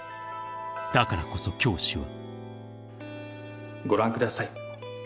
［だからこそ教師は］